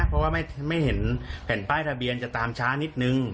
เพราะว่าไม่เห็นแผ่นป้ายทะเบียนจะตามช้านิดนึง